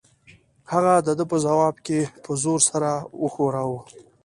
هغې د ده په ځواب کې په زور سر وښوراوه.